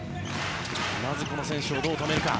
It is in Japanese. まず、この選手をどう止めるか。